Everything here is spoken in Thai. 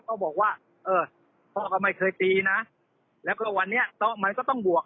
ก็บอกว่าเออพ่อก็ไม่เคยตีนะแล้วก็วันนี้มันก็ต้องบวก